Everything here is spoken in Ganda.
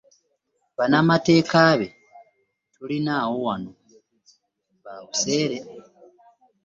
Bannamateeka be tulinawo wano ba buseere.